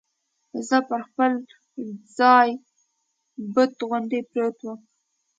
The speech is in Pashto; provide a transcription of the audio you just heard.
زه پر خپل ځای بت غوندې پروت ووم.